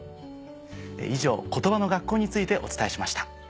以上『コトバの学校』についてお伝えしました。